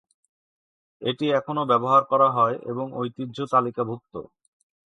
এটি এখনও ব্যবহার করা হয় এবং ঐতিহ্য-তালিকাভুক্ত।